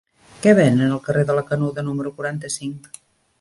Què venen al carrer de la Canuda número quaranta-cinc?